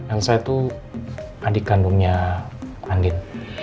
elsa itu adik kandungnya andin